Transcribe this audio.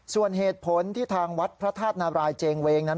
ส่วนเหตุผลที่ทางวัดพระธาตุนารายเจงเวงนั้น